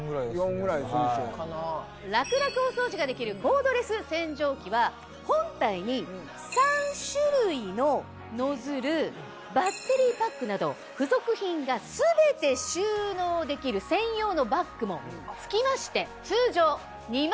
楽々お掃除ができるコードレス洗浄機は本体に３種類のノズルバッテリーパックなど付属品が全て収納できる専用のバッグも付きまして。